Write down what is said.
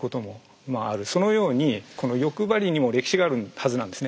そのようにこの欲張りにも歴史があるはずなんですね。